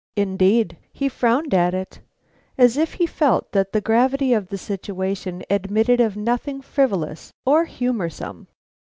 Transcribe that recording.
Indeed, he frowned at it, as if he felt that the gravity of the situation admitted of nothing frivolous or humorsome.